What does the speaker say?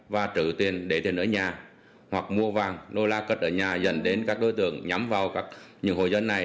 và trữ tiền để tiền ở nhà hoặc mua vàng nô la cất ở nhà dẫn đến các đối tượng nhắm vào những hội dân này